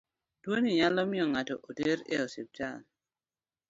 Tuono nyalo miyo ng'ato oter e osiptal.